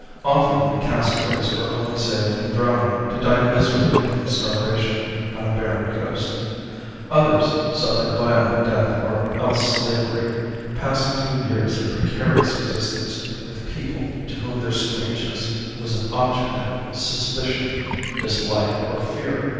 Often the castaways were only saved from drowning to die miserably from starvation on a barren coast; others suffered violent death or else slavery, passing through years of precarious existence with people to whom their strangeness was an object of suspicion, dislike or fear.